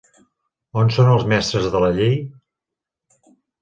On són els mestres de la Llei?